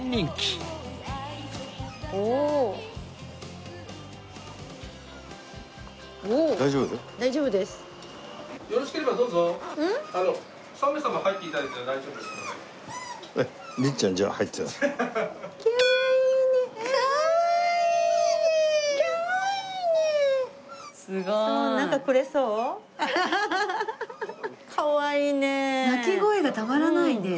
鳴き声がたまらないですね。